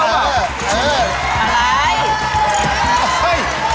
อะไร